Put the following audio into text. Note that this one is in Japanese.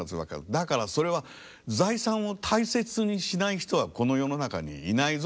だからそれは財産を大切にしない人はこの世の中にいないぞ。